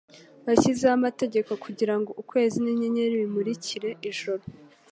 washyizeho amategeko kugira ngo ukwezi n'inyenyeri bimurikire ijoro